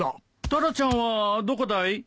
タラちゃんはどこだい？えっ！？